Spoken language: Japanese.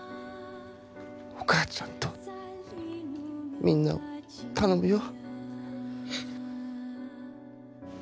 お母ちゃんとみんなを頼むよ。